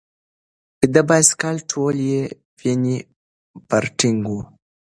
د بایسکل ډول یې پیني فارټېنګ و.